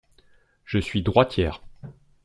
Je suis droitière.